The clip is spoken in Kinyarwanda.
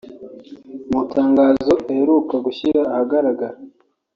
Mu itangazo aheruka gushyira ahagaragara